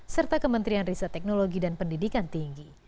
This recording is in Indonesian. serta kementerian riset teknologi dan pendidikan tinggi